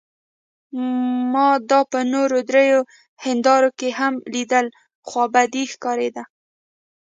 ما دا په نورو درې هندارو کې هم لیدل، خوابدې ښکارېده.